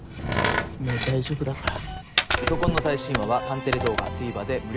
もう大丈夫だから。